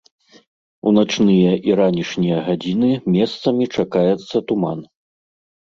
У начныя і ранішнія гадзіны месцамі чакаецца туман.